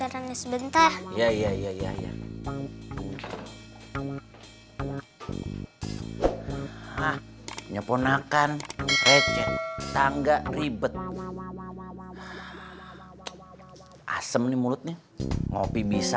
sebentar sebentar ya ya ya ya ya ha ha nyaponakan receh tangga ribet asem nih mulutnya ngopi bisa